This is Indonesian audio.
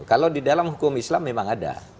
kalau di dalam hukum islam memang ada